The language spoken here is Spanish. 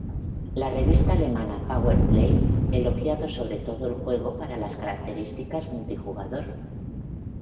La revista alemana "Power Play" elogiado sobre todo el juego para las características multijugador.